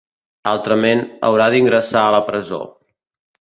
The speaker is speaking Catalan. Altrament, haurà d’ingressar a la presó.